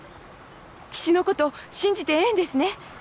父のこと信じてええんですね？